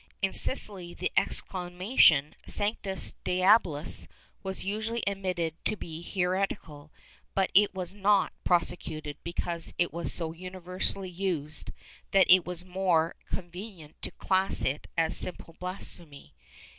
In Sicily, the exclamation "Sanctus Diabolus" was usually admitted to be heretical, but it was not prosecuted because it was so universally used that it was more convenient to class it as simple blasphemy.